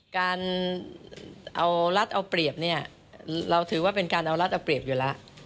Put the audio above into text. การเอารัฐเอาเปรียบเนี่ยเราถือว่าเป็นการเอารัฐเอาเปรียบอยู่แล้ว